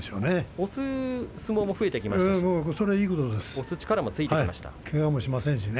押す相撲も増えてきましたし押す力も増えてきました。